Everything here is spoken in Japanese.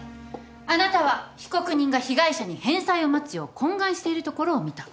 あなたは被告人が被害者に返済を待つよう懇願しているところを見た。